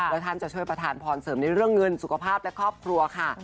และท่านจะช่วยประธานพรเสริมในเรื่องเงินสุขภาพและครอบครัวค่ะ